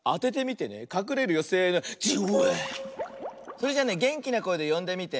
それじゃあねげんきなこえでよんでみて。